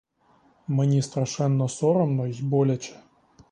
Мені страшенно соромно й боляче.